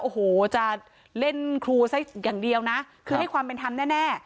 โอ้โหจะเล่นครูซะอย่างเดียวนะคือให้ความเป็นธรรมแน่